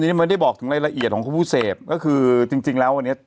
นี้มันไม่ได้บอกถึงอะไรละเอียดของผู้เสพก็คือจริงจริงแล้วอันนี้